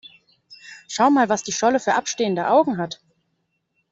Schau mal, was die Scholle für abstehende Augen hat!